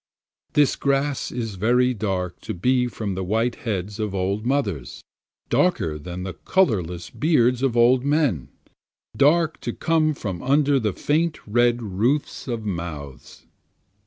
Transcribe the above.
This grass is very dark to be from the white heads of old mothers, Darker than the colorless beards of old men, Dark to come from under the faint red roofs of mouths.